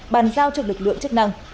bàn giao cho lực lượng chức năng